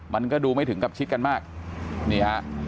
มันก็ดูไม่ถึงกับชิดกันมากนี่ฮะ